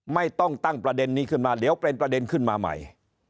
ไม่ต้องตั้งประเด็นนี้ขึ้นมาเดี๋ยวเป็นประเด็นขึ้นมาใหม่